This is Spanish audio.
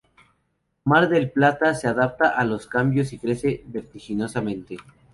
Mar del Plata se adapta a los cambios y crece vertiginosamente.